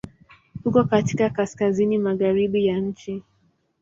Uko katika Kaskazini magharibi ya nchi.